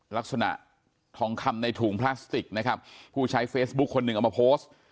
ลักษณะทองคำในถุงพลาสติกนะครับผู้ใช้เฟซบุ๊คคนหนึ่งเอามาโพสต์